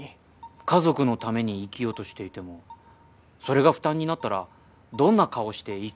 家族のために生きようとしていてもそれが負担になったらどんな顔して生きていけばいい？